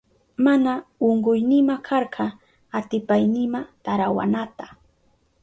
Mana unkuynima karka atipaynima tarawanata.